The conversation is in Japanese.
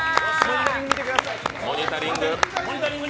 「モニタリング」